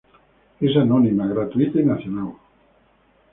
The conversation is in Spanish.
Es anónima, gratuita y nacional.